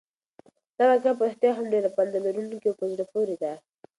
دا واقعه په رښتیا هم ډېره پنده لرونکې او په زړه پورې ده.